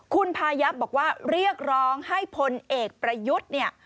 คุณพายับบอกว่าเรียกร้องให้พลเอกประยุทธ์เนี่ย